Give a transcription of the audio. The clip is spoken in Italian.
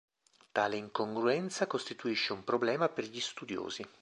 Tale incongruenza costituisce un problema per gli studiosi.